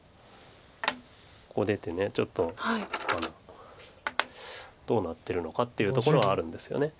ここ出てちょっとどうなってるのかっていうところはあるんですよね。